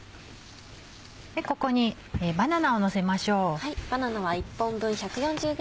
ここにバナナをのせましょう。